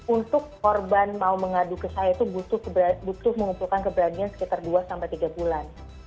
untuk korban mau mengadu ke saya itu butuh mengumpulkan keberanian sekitar dua sampai tiga bulan